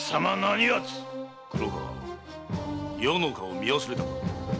⁉黒河余の顔を見忘れたか。